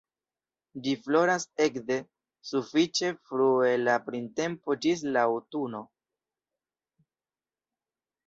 Ĝi floras ekde sufiĉe frue en la printempo ĝis la aŭtuno.